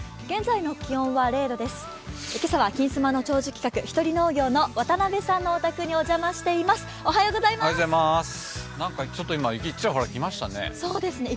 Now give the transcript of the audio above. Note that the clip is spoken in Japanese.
現在の気温は０度です。